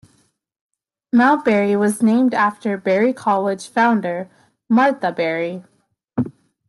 Mount Berry was named after Berry College founder Martha Berry.